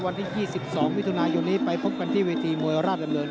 วันที่๒๒มิถุนายนนี้ไปพบกันที่เวทีมวยราชดำเนิน